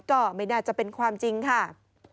ก็ไม่น่าจะเป็นความจริงค่ะ